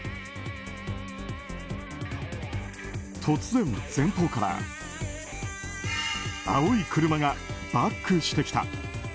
突然、前方から青い車がバックしてきた。